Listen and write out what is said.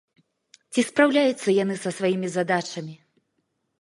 Ці спраўляюцца яны са сваімі задачамі?